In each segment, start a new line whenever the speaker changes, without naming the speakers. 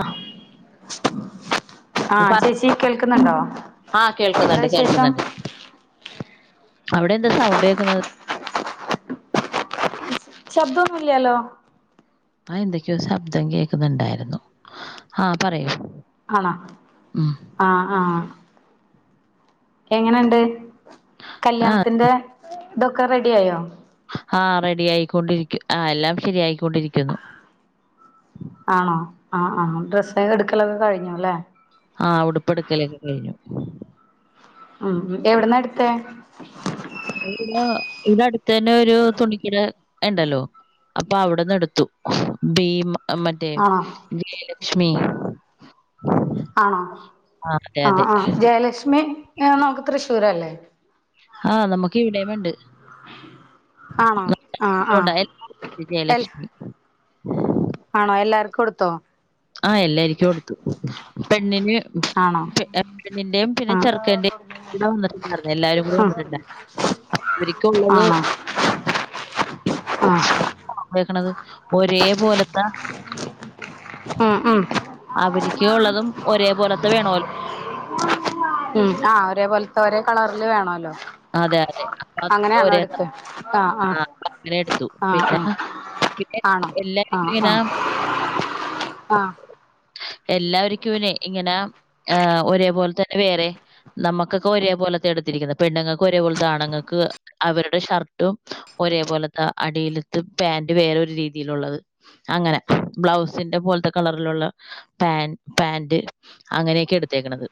അ
ആഹ് ചേച്ചി
പറഞ്ഞോ
കേൾക്കുന്നുണ്ടോ
ആ
എന്താ
കേൾക്കുന്നുണ്ട്
വിശേഷം
കേൾക്കുന്നുണ്ട് അവിടെ എന്താ സൗണ്ട് കേക്ക്ന്നത്
ശബ്ദൊന്നും ഇല്യാലോ
ആ എന്തൊക്കെയോ ശബ്ദം കേൾക്കുന്നുണ്ടായിരുന്നു ആഹ് പറയൂ
ആണാ
ഉം
ആ ആ എങ്ങനെയുണ്ട്
ആഹ്
കല്യാണത്തിന്റെ ഇതൊക്കെ റെഡി ആയോ
ആ റെഡി ആയിക്കൊണ്ടിരിക്കും ആ എല്ലാം ശരിയായിക്കൊണ്ടിരിക്കുന്നു
ആണോ ആ ആ ഡ്രസ്സ് എടുക്കലൊക്കെ കഴിഞ്ഞുല്ലേ
ആ ഉടുപ്പെടുകലൊക്കെ കഴിഞ്ഞു
ആ എവിടന്നാ എടുത്തേ
[unintelligible] ഇവിടെ അടുത്തു തന്നെ ഒരു തുണിക്കട ഉണ്ടല്ലോ അപ്പൊ അവിടെന്ന് എടുത്തു ഭീമ മറ്റേ
ആണോ
[unintelligible] ക്ഷ്മി
ആ ആ
അതെ
ആ ജയലക്ഷ്മി ഏ നമുക്ക് തൃശ്ശൂരല്ലേ
ആഹ് നമ്മുക്ക് ഇവിടെം ഉണ്ട്
ആണോ
നമുക്കും
ആ ആ
ഉണ്ട്. എല്ലാവർക്കും ഉണ്ട്
ഏൽ
ജയലക്ഷ്മി ആഹ് എല്ലാരിക്കും എടുത്തു പെണ്ണിന്
ആണോ
പെണ്ണിന്റെയും പിന്നെ
ആഹ്
ചെറുക്കന്റെയും വന്നിട്ടുണ്ടായിരുന്നു എല്ലാരും കൂടെ
ആഹ്
വന്നിട്ടുണ്ടായിരുന്നു അപ്പോ അവര്ക്കുള്ളത്
ആണോ ആഹ്
വെ [unintelligible] ഒരേ പോലത്തെ
ഉം ഉം
അവ രിക്കൊള്ളതും ഒരേ പോലത്തെ വേണല്ലോ
ഉം ആ ഒരേപോലത്തെ ഒരേ കളറിൽ വേണോല്ലോ
അതെ അതെ അപ്പൊ അത്
അങ്ങനെയാണോ
ഒരേ
എടുത്തെ ആ ആ
അങ്ങനെ എടുത്തു.
ആ ആ
പിന്നെ പിന്നെ
ആണോ
എല്ലാവർക്കും
ആഹ് ആ
ഇങ്ങനെ
ആഹ്
എല്ലാവരിക്കും ഇങ്ങനെ ആ ഒരേപോലെ തന്നെ വേറെ നമ്മുക്കൊക്കെ ഒരേ പോലെത്തെ എടുത്തിരിക്കുന്നത് പെണ്ണുങ്ങക്ക് ഒരേ പോലത്തെ ആണുങ്ങൾക്ക് അവരുടെ ഷർട്ടും ഒരേ പോലത്തെ അടിയിലത്ത് പാന്റ് വേറെ ഒരു രീതിയിലുള്ളത് അങ്ങനെ ബ്ലൗസിന്റെ പോലത്തെ കളറിലുള്ള പാന്റ് പാന്റ് അങ്ങനെയൊക്കെ എടുത്തേക്കണത്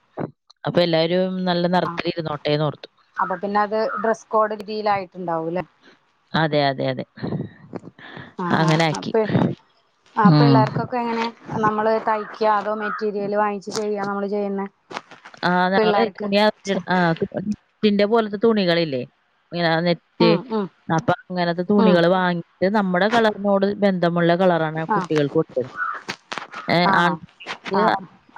അപ്പൊ എല്ലാവരും നല്ല നിറത്തില് ഇരുന്നോട്ടേന്നോർത്തു
അപ്പൊ പിന്നെ അത് ഡ്രസ്സ് കോഡ് രീതിയിലായിട്ടുണ്ടാവും [unintelligible]
അതെ അതെ അതെ
ആ ആ
അങ്ങനെ ആക്കി.
അപ്പ ആ
ഉം.
പിള്ളേർക്കൊക്കെ എങ്ങനെ നമ്മള് തയ്ക് ക്കോ അതോ മെറ്റീരിയല് വാങ്ങിച്ച് ചെയ്യാണോ നമ്മള് ചെയ്യുന്നെ
ആഹ് ഞങ്ങള്
പിള്ളേർക്ക്
തുണിയാ ആദ്യം എടുത് ആ തുണി പിന്നെ പോലത്തെ തുണികളില്ലേ ഇങ്ങന നെറ്റ്
ഉം ഉം
അപ്പൊ അങ്ങനത്തെ
ഉം
തുണികൾ വാങ്ങിട്ട് നമ്മുടെ കളറിനോട് ബന്ധമുള്ള കളറാണ്
ആ
കുട്ടികൾക്കെടുത്തെ ഏ
ആണോ
ആൺകുട്ടികൾക്ക്
ആ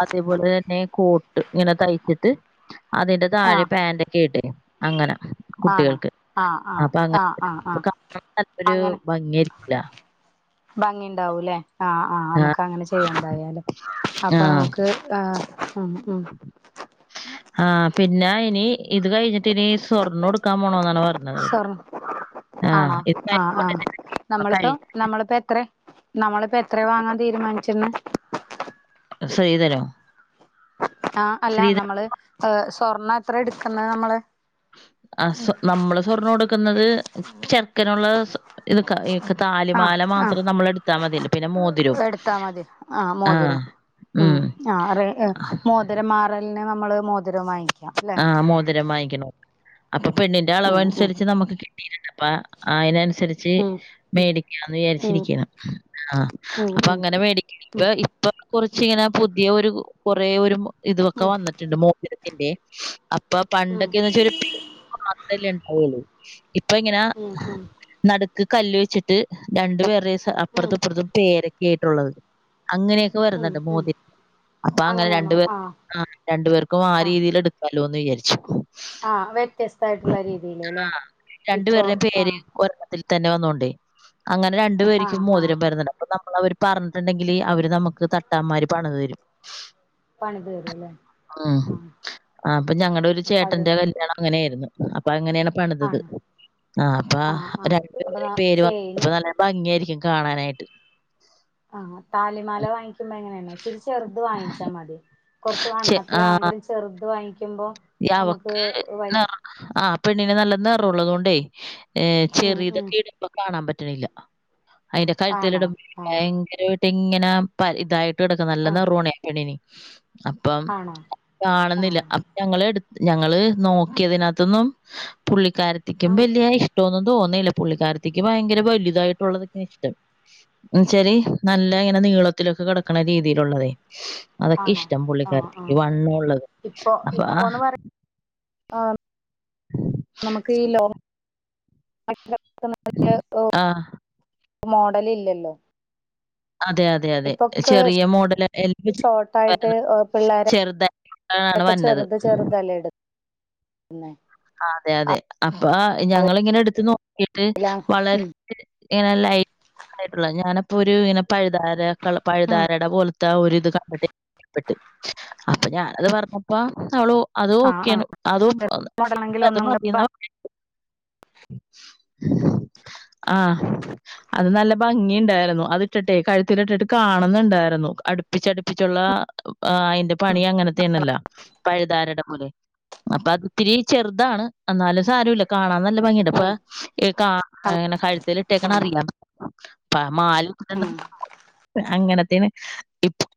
അതേപോലെ തന്നെ കോട്ട് ഇങ്ങനെ തയ്ച്ചിട്ട് അതിന്റെ
ആ
താഴെ പാന്റെയ്ക്കെയായിട്ടേ അങ്ങനെ
ആണ്
കുട്ടികൾക്ക്
ആ
അപ്പൊ
ആ
അങ്ങനെ
ആ ആ ആ
നല്ലൊരു ഭംഗിയായിരിക്കൂല
ഭംഗി ഉണ്ടാവൂലെ ആഹ ആഹ്
ആ
നമുക്ക് അങ്ങനെ ചെയ്യണ്ടായാലെ
ആ
അപ്പൊ നമുക്ക് ആ ഉം ഉം
ആ പിന്നെ ഇനി ഇത് കഴിഞ്ഞട്ട് ഇനി സ്വർണ്ണം എടുക്കാൻ പോണോന്നാണ് പറഞ്ഞത് അവര്.
സ്വർണം
ആ
ആണോ
ഇത് കഴിഞ്ഞ
ആഹ ആഹ
ഉടനെ
നമ്മളിപ്പോ
കഴിഞ്ഞ
നമ്മളിപ്പോ എത്ര നമ്മളിപ്പോ എത്രയ വാങ്ങാൻ തീരുമാനിച്ചിണ്
സ്ത്രീധനോ
ആ അല്ല നമ്മള് ഏ സ്വർണ്ണം എത്ര എടുക്കുന്നത് നമ്മള്
ആ സ്വ നമ്മള് സ്വർണം കൊടുക്കുന്നത് ചെർക്കനുള്ള ഇത്
ആഹ്
താലിമാല
ആഹ
മാത്രം നമ്മള് എടുത്താ മതിയല്ലോ പിന്നെ മോതിരവും
എടുത്താ മതി ആഹ
ആഹ്
മോതിരം ഉം ആ മോതിരം മാറല് പിന്നെ നമ്മള് മോതിരവാങ്ങി
ആഹ മോതിരം വാങ്ങിക്കണം അപ്പൊ പെണ്ണിന്റെ അളവ്
ഉം ഉം
അനുസരിച്ച് നമുക്ക് കിട്ടിയിട്ടിണ്ട് അപ്പ അയിന് അനു അനുസരിച്ച്
ഉം
മേടിക്കാന്ന്
ഉം
വിചാരിച്ചിരിക്കാണ് ആ
ഉം
അപ്പൊ
ഉം
അങ്ങനെ മേടിക്കണെങ്കെ
ഉം
ഇപ്പൊ കുറച്ചിങ്ങനെ പുതിയ ഒരു കൊറേ ഒരു ഇതുവൊക്കെ
ഉം
വന്നിട്ടുണ്ട് മോ എടുക്കല്ലേ അപ്പൊ പണ്ടൊക്കെന്ന് വെച്ചാ [inaudible] മാത്രല്ലേ [unintelligible] ഇപ്പങ്ങനാ
ഉം ഉം ഉം
നട് ക്ക് കല്ല് വെച്ചിട്ട് രണ്ടു പേരുടെ
ഉം
അപ്പറത്തുംഇപ്പറത്തും പേരൊക് കേട്ടുള്ളത് അങ്ങനെയൊക്കെ
ഉം
വരുന്നുണ്ട്
ഉം
മോതിര അപ്പൊ അങ്ങനെ
അങ്ങനെയാണോ
രണ്ടുപേർക്കും
ആഹ്
ആ രണ്ടു പേർക്കും ആ രീതിൽ എടുക്ക ല്ലോന്ന് വിചാരിച്ചു.
ആ വ്യത്യസ്തായിട്ടുള്ള രീതിയില് അല്ലേ, ഇപ്പൊ
രണ്ടുപേരുടെയും
ആ
പേര് ഒരെണ്ണത്തിൽ തന്നെ വന്നോണ്ടേ അങ്ങനെ രണ്ടു
ആഹ്
പേരിക്കും
ആഹ്
മോതിരം വരുന്നുണ്ട് അപ്പ ന അവര് പറഞ്ഞിട്ടുണ്ടെങ്കില് അവര് നമുക്ക് തട്ടാൻമാരും പണിത് തരും
പണിത് തരുംല്ലേ
ഉം.
ആ
ആ അപ്പം ഞങ്ങടൊരു ചേട്ടന്റെ കല്യാണം അങ്ങനെ ആയിരുന്നു അപ്പം അങ്ങനെ ആണ് പണിതത്
ആണ്
ആ അപ്പ
ആഹ് ആഹ്
രണ്ടു
അപ്പൊ
പേരും
ചെയിന്
നല്ല ഭംഗിയാരി എൻ കാണാനായിട്ട്.
ആ താലിമാല
ഉം.
വാങ്ങിക്കുമ്പോ എങ്ങനെയെന്നോ ഇച്ചിരി ചെറുത് വാങ്ങിച്ചാൽ മതി കെറച്ച് വണ്ണത്തിലാങ്കിലും ചെറുത് വാങ്ങി
യാവക്ക് ന് ആ പെണ്ണിന് നല്ല നെറം ഒള്ളതുകൊണ്ടേ ഏ
ഉം ഉം
ചെറിയതൊക്കെ ഇടുമ്പോ കാണാൻ പറ്റും [inaudible] ഇല്ല അതിന്റെ
ആണോ
കഴുത്തിലിടും
ആഹ്
ഭയങ്കരവായിട്ട് ഇങ്ങനെ പൽ ഇതായിട്ട് ടക് നല്ല
ആഹ്
നെറോണേ പെണ്ണിന് അപ്പം
ആണോ
കാണുന്നില്ല
ആഹ്
ഞങ്ങളെടു ഞങ്ങള് നോക്കിയതിനാത്തൂന്നും പുള്ളി കാരത്തിക്കും
ആഹ്
വലിയ ഇഷ്ടോന്നും തോന്നിയില്ല പുള്ളിക്കാരത്തിക്ക് ഭയങ്കര വലുതായിട്ടുള്ളതൊക്കെ ഇഷ്ടം എന്നു വെച്ചാൽ നല്ല ഇങ്ങനെ നീളത്തിലൊക്കെ കിടക്കണ രീതിയിലുള്ളതേ അതൊക്കെ
ആണോ
ഇഷ്ടം
ആഹ്
പുള്ളിക്കരത്തിക്ക്
ആഹ്
വണ്ണം ഉള്ളത്
ഇപ്പൊ ഇപ്പോന്ന് പറ ആ നമുക്ക് ഈ ലോക [unintelligible] പ്പം
ആ.
മോഡൽ ഇല്ലല്ലോ
അതെ അതെ അതെ
ഇപ്പൊക്കെ
ചെറിയ മോഡൽ
ഷോർട്ടായിട്ട്
[unintelligible]
പിള്ളേരൊക്കെ
ചെറുതാ [inaudible] ട്ടാണ് വന്നത്
ചെറുത് ചെറുതല്ലേ എടുക്കുന്നെ
അതെ അതെ അപ്പൊ ഞങ്ങളിങ്ങനെ എട്ത്ത് നോക്കിട്ട്
ലാണ്
വളരെ
ഉം
ഇങ്ങനെ ലൈറ്റ് ആയിട്ടുള്ളെ ഞാനിപ്പൊ ഒരു ഇങ്ങനെ പഴുതാര ക്കെള്ള
ഉം
പഴുതാരയുടെ പോലെ താ ഒരിത് കണ്ടിട്ട് ഇഷ്ട്ടപ്പെട്ട് അപ്പൊ ഞാനത് പറഞ്ഞപ്പോ അവൾ ഒ അത്
ആ ആ
ഓക്കെയാണ് അത്
ചെറിയ
[unintelligible]
മോഡലാണെങ്കിൽ
അത്
ഒന്നും കൂടെ
മതിന്നാ
ഭംഗി
പറഞ്ഞേ [inaudible] ആ അത് നല്ല ഭംഗി ഇണ്ടായിരുന്നു അത് ഇട്ടിട്ടെ കഴുത്തിലിയിട്ടിട്ട് കാണുന്നുണ്ടായിരുന്നു അടുപ്പിച്ചടുപ്പിച്ചുള്ള ആ അതിന്റെ പണി അങ്ങനത്തെയാണല്ലോ പഴുതാരയുടെ പോലെ അപ്പൊ അത് ഒത്തിരി ചെറുതാണ് എന്നാലും സാരല്ല കാണാ നല്ല ഭംഗിയുണ്ട് ഇപ്പൊ
ഉം
എ കാ
ആ
ഇങ്ങനെ കഴുത്തിൽ
ആ
ഇട്ടേക്ക്ണേ അറിയാ പ മാലയിട്ടിട്ട്
ഉം
[inaudible] അങ്ങനെ ത്തിന് [unintelligible]